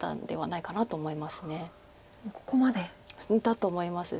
だと思います。